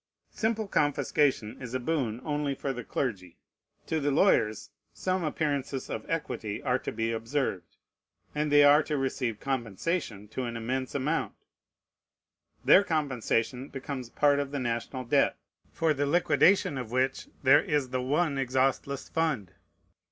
Simple confiscation is a boon only for the clergy: to the lawyers some appearances of equity are to be observed; and they are to receive compensation to an immense amount. Their compensation becomes part of the national debt, for the liquidation of which there is the one exhaustless fund.